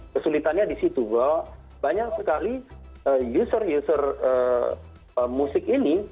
kesulitannya di situ bahwa banyak sekali user user musik ini